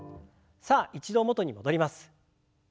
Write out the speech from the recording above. さあ一度元に戻ります。